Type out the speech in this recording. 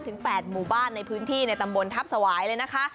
ถึง๘หมู่บ้านในพื้นที่ในตำบลทัพสวายเลยนะคะ